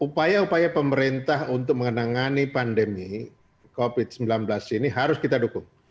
upaya upaya pemerintah untuk menangani pandemi covid sembilan belas ini harus kita dukung